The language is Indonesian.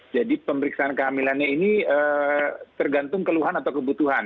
jadi pemeriksaan kehamilannya ini tergantung keluhan atau kebutuhan